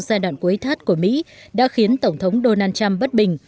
giai đoạn cuối thắt của mỹ đã khiến tổng thống donald trump bất bình